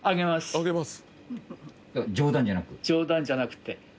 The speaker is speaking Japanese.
冗談じゃなく？